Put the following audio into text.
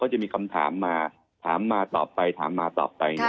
จะมีคำถามมาถามมาตอบไปถามมาตอบไป